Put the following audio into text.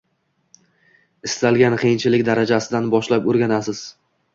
Istalgan qiyinchilik darajasidan boshlab o’rganasiz